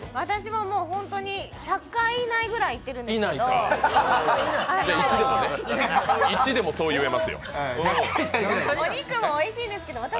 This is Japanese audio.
私も１００回以内ぐらい行ってるんですけど。